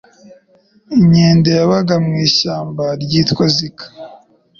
inkende yabaga mu ishyamba ryitwa Zika